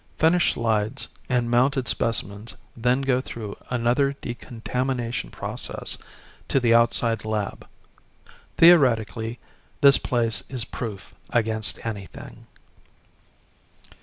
Finished slides and mounted specimens then go through another decontamination process to the outside lab. Theoretically, this place is proof against anything."